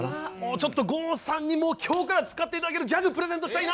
ちょっと郷さんにも今日から使って頂けるギャグプレゼントしたいな！